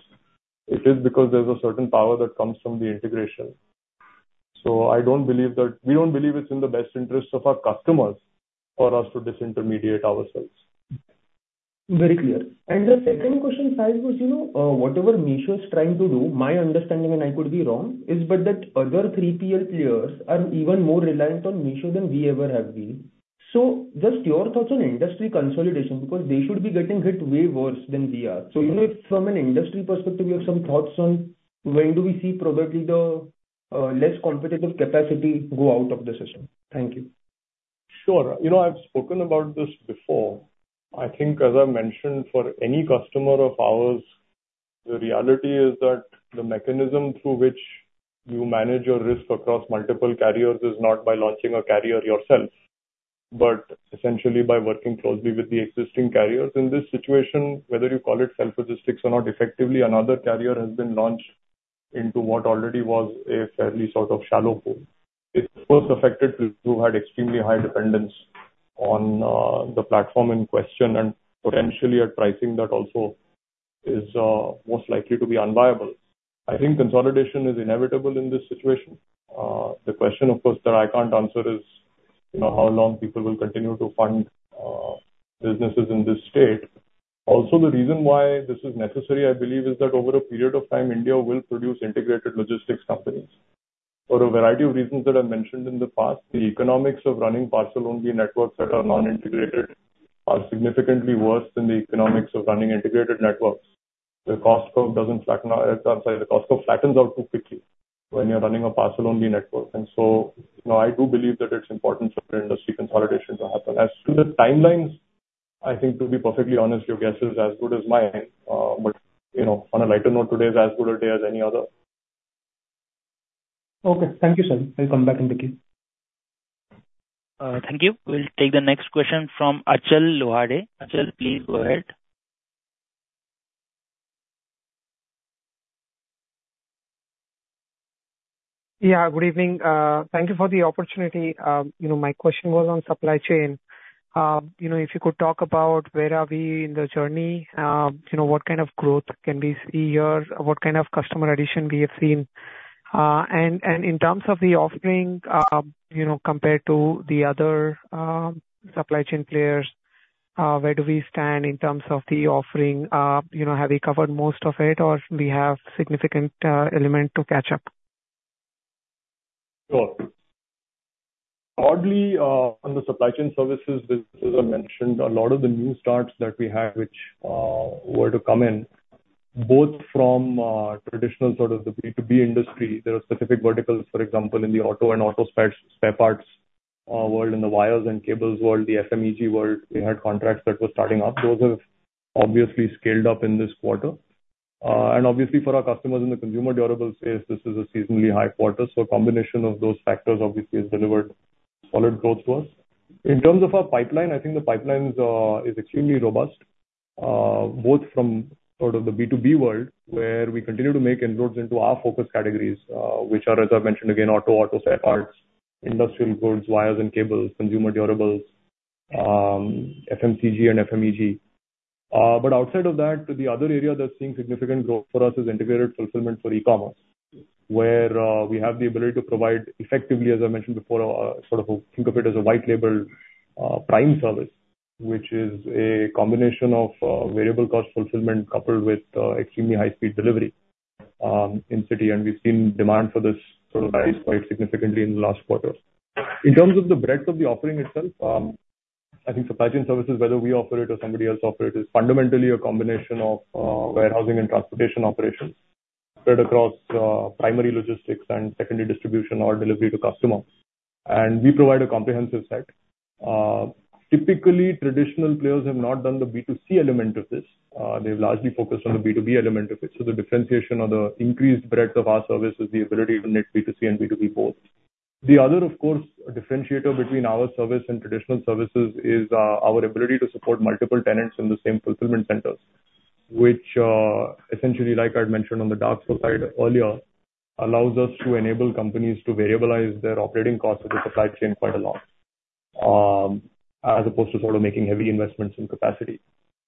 It is because there's a certain power that comes from the integration. So I don't believe that... We don't believe it's in the best interest of our customers for us to disintermediate ourselves. Very clear. And the second question, Sahil, was, you know, whatever Meesho is trying to do, my understanding, and I could be wrong, is but that other 3 PL players are even more reliant on Meesho than we ever have been. So just your thoughts on industry consolidation, because they should be getting hit way worse than we are. So, you know, from an industry perspective, you have some thoughts on when do we see probably the, less competitive capacity go out of the system? Thank you. Sure. You know, I've spoken about this before. I think, as I mentioned, for any customer of ours, the reality is that the mechanism through which you manage your risk across multiple carriers is not by launching a carrier yourself... but essentially by working closely with the existing carriers in this situation, whether you call it self-logistics or not, effectively another carrier has been launched into what already was a fairly sort of shallow pool. It first affected who had extremely high dependence on the platform in question, and potentially at pricing that also is most likely to be unviable. I think consolidation is inevitable in this situation. The question, of course, that I can't answer is, you know, how long people will continue to fund businesses in this state. Also, the reason why this is necessary, I believe, is that over a period of time, India will produce integrated logistics companies. For a variety of reasons that I've mentioned in the past, the economics of running parcel-only networks that are non-integrated are significantly worse than the economics of running integrated networks. The cost curve doesn't flatten out. I'm sorry, the cost curve flattens out too quickly when you're running a parcel-only network. And so, you know, I do believe that it's important for industry consolidation to happen. As to the timelines, I think to be perfectly honest, your guess is as good as mine. But, you know, on a lighter note, today is as good a day as any other. Okay, thank you, sir. I'll come back and with you. Thank you. We'll take the next question from Achal Lohade. Achal, please go ahead. Yeah, good evening. Thank you for the opportunity. You know, my question was on supply chain. You know, if you could talk about where are we in the journey, you know, what kind of growth can we see here? What kind of customer addition we have seen? And in terms of the offering, you know, compared to the other supply chain players, where do we stand in terms of the offering? You know, have we covered most of it, or we have significant element to catch up? Sure. Broadly, on the Supply Chain Services business, as I mentioned, a lot of the new starts that we had, which were to come in, both from traditional sort of the B2B industry, there are specific verticals, for example, in the auto and auto spare, spare parts world, in the wires and cables world, the FMEG world, we had contracts that were starting up. Those have obviously scaled up in this quarter. And obviously for our customers in the consumer durables space, this is a seasonally high quarter, so a combination of those factors obviously has delivered solid growth to us. In terms of our pipeline, I think the pipeline is extremely robust, both from sort of the B2B world, where we continue to make inroads into our focus categories, which are, as I've mentioned, again, auto, auto spare parts, industrial goods, wires and cables, consumer durables, FMCG and FMEG. But outside of that, the other area that's seeing significant growth for us is integrated fulfillment for e-commerce, where we have the ability to provide effectively, as I mentioned before, sort of a think of it as a white label prime service, which is a combination of variable cost fulfillment coupled with extremely high speed delivery in city, and we've seen demand for this sort of rise quite significantly in the last quarters. In terms of the breadth of the offering itself, I think supply chain services, whether we offer it or somebody else offer it, is fundamentally a combination of warehousing and transportation operations spread across primary logistics and secondary distribution or delivery to customer. We provide a comprehensive set. Typically, traditional players have not done the B2C element of this. They've largely focused on the B2B element of it. So the differentiation or the increased breadth of our service is the ability to meet B2C and B2B both. The other, of course, differentiator between our service and traditional services is, our ability to support multiple tenants in the same fulfillment centers, which, essentially, like I'd mentioned on the dark side earlier, allows us to enable companies to variabilize their operating costs of the supply chain quite a lot, as opposed to sort of making heavy investments in capacity.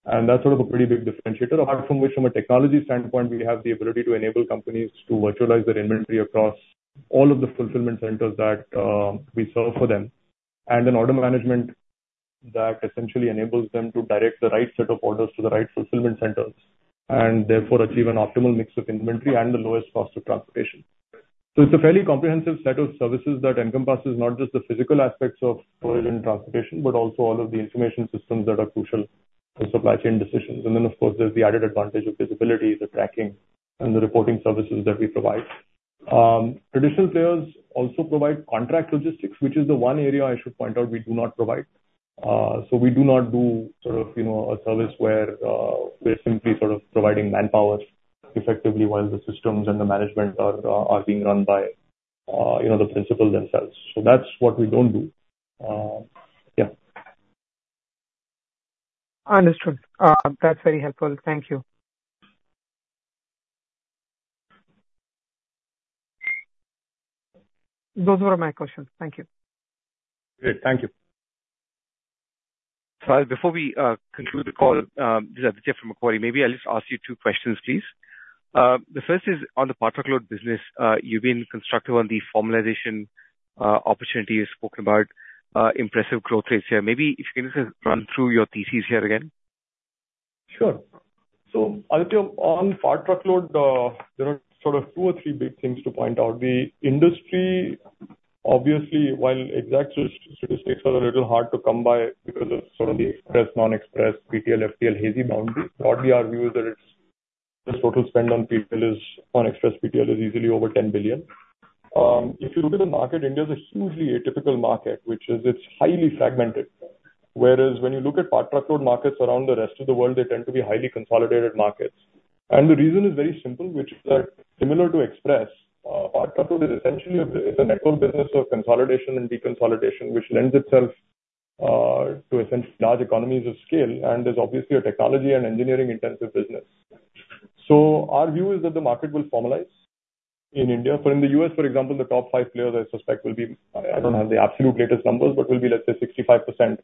And that's sort of a pretty big differentiator, apart from which, from a technology standpoint, we have the ability to enable companies to virtualize their inventory across all of the fulfillment centers that, we serve for them, and an order management that essentially enables them to direct the right set of orders to the right fulfillment centers, and therefore, achieve an optimal mix of inventory and the lowest cost of transportation. So it's a fairly comprehensive set of services that encompasses not just the physical aspects of storage and transportation, but also all of the information systems that are crucial for supply chain decisions. And then, of course, there's the added advantage of visibility, the tracking, and the reporting services that we provide. Traditional players also provide contract logistics, which is the one area I should point out we do not provide. So we do not do sort of, you know, a service where we're simply sort of providing manpower effectively, while the systems and the management are being run by you know, the principals themselves. So that's what we don't do. Understood. That's very helpful. Thank you. Those were my questions. Thank you. Great. Thank you. So before we conclude the call, this is Aditya from Macquarie, maybe I'll just ask you two questions, please. The first is on the part truckload business. You've been constructive on the formalization opportunity. You've spoken about impressive growth rates here. Maybe if you can just run through your thesis here again? Sure. So Aditya, on part truckload, there are sort of two or three big things to point out. The industry, obviously, while exact statistics are a little hard to come by because of sort of the express, non-express, PTL, FTL, hazy boundaries, broadly, our view is that it's the total spend on PTL is, on express PTL, easily over 10 billion. If you look at the market, India is a hugely atypical market, which is it's highly fragmented... whereas when you look at part truckload markets around the rest of the world, they tend to be highly consolidated markets. And the reason is very simple, which is that similar to express, part truckload is essentially a, it's a network business of consolidation and deconsolidation, which lends itself to essentially large economies of scale, and is obviously a technology and engineering intensive business. Our view is that the market will formalize in India. But in the U.S., for example, the top 5 players I suspect, will be, I, I don't have the absolute latest numbers, but will be, let's say, 65%,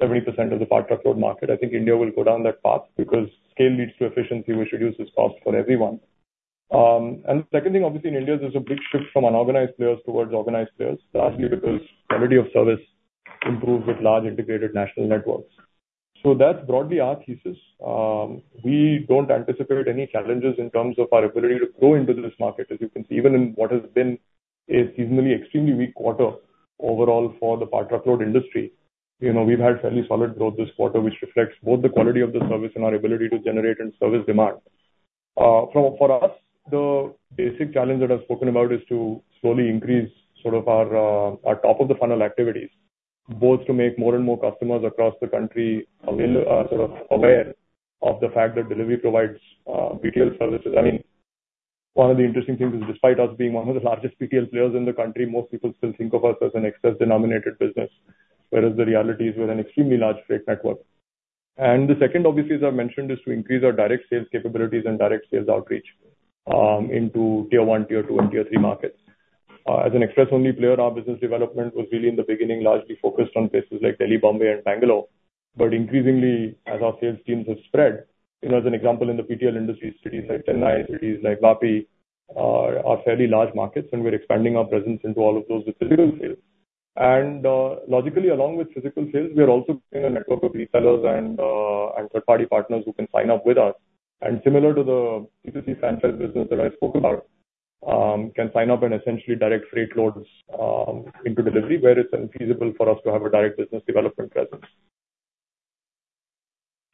70% of the part truckload market. I think India will go down that path because scale leads to efficiency, which reduces cost for everyone. And second thing, obviously, in India, there's a big shift from unorganized players towards organized players, largely because quality of service improves with large integrated national networks. That's broadly our thesis. We don't anticipate any challenges in terms of our ability to grow into this market. As you can see, even in what has been a seasonally extremely weak quarter overall for the part truckload industry, you know, we've had fairly solid growth this quarter, which reflects both the quality of the service and our ability to generate and service demand. So for us, the basic challenge that I've spoken about is to slowly increase sort of our top of the funnel activities, both to make more and more customers across the country aware, sort of aware of the fact that Delhivery provides PTL services. I mean, one of the interesting things is, despite us being one of the largest PTL players in the country, most people still think of us as an express denominated business, whereas the reality is we're an extremely large freight network. And the second, obviously, as I mentioned, is to increase our direct sales capabilities and direct sales outreach into tier one, tier two, and tier three markets. As an express-only player, our business development was really in the beginning, largely focused on places like Delhi, Mumbai, and Bengaluru. But increasingly, as our sales teams have spread, you know, as an example, in the PTL industry, cities like Chennai, cities like Vapi are fairly large markets, and we're expanding our presence into all of those with physical sales. Logically, along with physical sales, we are also building a network of resellers and third-party partners who can sign up with us. And similar to the B2C franchise business that I spoke about, can sign up and essentially direct freight loads into Delhivery, where it's unfeasible for us to have a direct business development presence.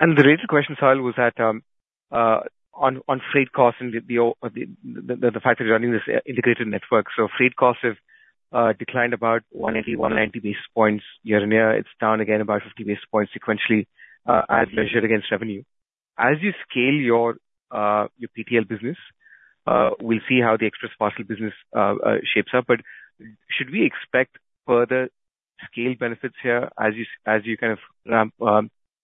The rest of the question, Sahil, was on freight costs and the fact that you're running this integrated network. So freight costs have declined about 180-190 basis points year-on-year. It's down again about 50 basis points sequentially, as measured against revenue. As you scale your PTL business, we'll see how the Express Parcel business shapes up. But should we expect further scale benefits here as you kind of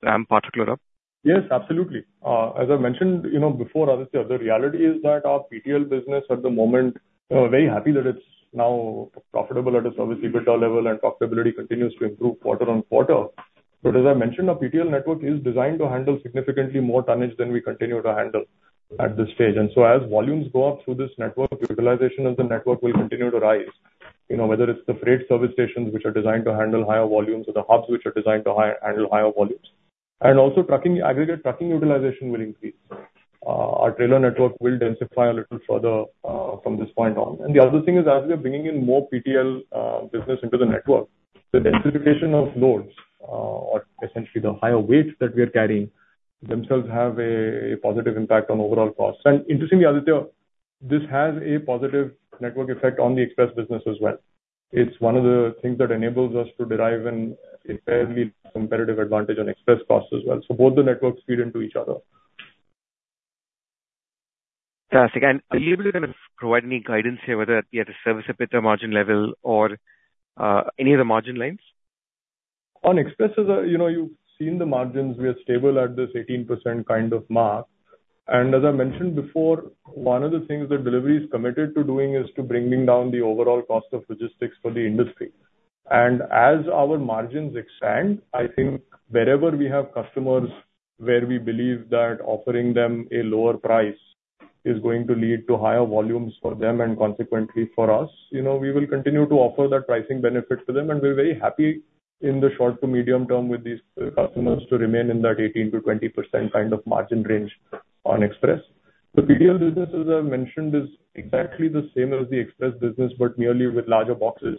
ramp part load up? Yes, absolutely. As I mentioned, you know, before, Aditya, the reality is that our PTL business at the moment, very happy that it's now profitable at a Service EBITDA level, and profitability continues to improve quarter on quarter. But as I mentioned, our PTL network is designed to handle significantly more tonnage than we continue to handle at this stage. And so, as volumes go up through this network, utilization of the network will continue to rise. You know, whether it's the freight service stations, which are designed to handle higher volumes, or the hubs, which are designed to handle higher volumes. And also trucking, aggregate trucking utilization will increase. Our trailer network will densify a little further, from this point on. And the other thing is, as we are bringing in more PTL business into the network, the densification of loads, or essentially the higher weights that we are carrying, themselves have a positive impact on overall costs. And interestingly, Aditya, this has a positive network effect on the express business as well. It's one of the things that enables us to derive a fairly competitive advantage on express costs as well. So both the networks feed into each other. Fantastic. Are you able to kind of provide any guidance here whether at the Service EBITDA margin level or any of the margin lines? On Express, as, you know, you've seen the margins, we are stable at this 18% kind of mark. And as I mentioned before, one of the things that Delhivery is committed to doing is to bringing down the overall cost of logistics for the industry. And as our margins expand, I think wherever we have customers where we believe that offering them a lower price is going to lead to higher volumes for them and consequently for us, you know, we will continue to offer that pricing benefit to them. And we're very happy in the short to medium term with these customers to remain in that 18%-20% kind of margin range on Express. The PTL business, as I mentioned, is exactly the same as the Express business, but merely with larger boxes.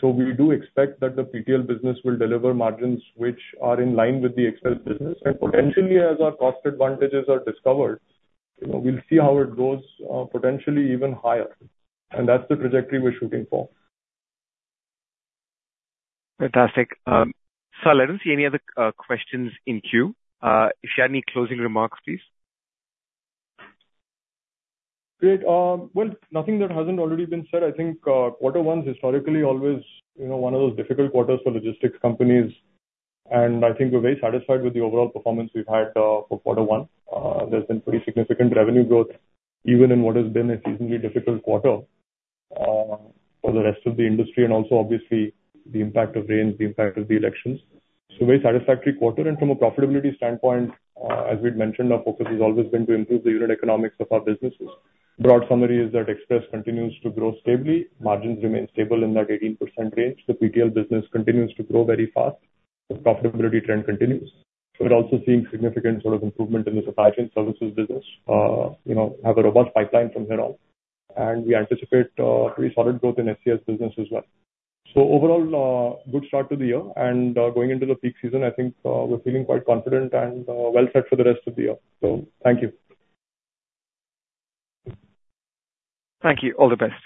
So we do expect that the PTL business will deliver margins which are in line with the Express business. Potentially as our cost advantages are discovered, you know, we'll see how it goes, potentially even higher. That's the trajectory we're shooting for. Fantastic. Sahil, I don't see any other questions in queue. If you had any closing remarks, please. Great. Well, nothing that hasn't already been said. I think, quarter one is historically always, you know, one of those difficult quarters for logistics companies, and I think we're very satisfied with the overall performance we've had for quarter one. There's been pretty significant revenue growth, even in what has been a seasonally difficult quarter for the rest of the industry, and also obviously the impact of rains, the impact of the elections. So very satisfactory quarter. And from a profitability standpoint, as we'd mentioned, our focus has always been to improve the unit economics of our businesses. Broad summary is that Express continues to grow stably, margins remain stable in that 18% range. The PTL business continues to grow very fast. The profitability trend continues. We're also seeing significant sort of improvement in the supply chain services business. You know, have a robust pipeline from here on, and we anticipate pretty solid growth in SCS business as well. So overall, good start to the year. And going into the peak season, I think we're feeling quite confident and well set for the rest of the year. So thank you. Thank you. All the best.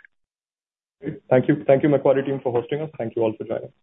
Thank you. Thank you, Macquarie team, for hosting us. Thank you all for joining.